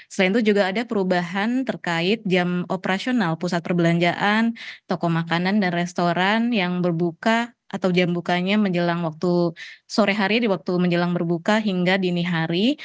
selain itu juga ada perubahan terkait jam operasional pusat perbelanjaan toko makanan dan restoran yang berbuka atau jam bukanya menjelang waktu sore hari di waktu menjelang berbuka hingga dini hari